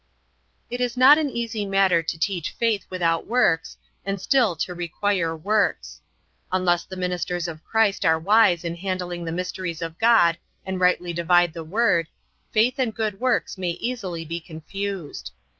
It is not an easy matter to teach faith without works, and still to require works. Unless the ministers of Christ are wise in handling the mysteries of God and rightly divide the word, faith and good works may easily be confused.